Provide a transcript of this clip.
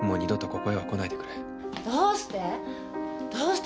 どうして？